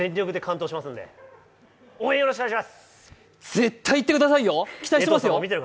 絶対いってくださいよ期待してますよ！